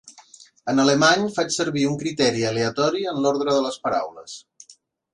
En alemany, faig servir un criteri aleatori en l'ordre de les paraules.